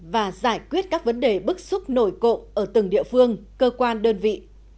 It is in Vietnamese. và giải quyết các vấn đề bức xúc nổi cộ ở từng địa phương cơ quan đơn vị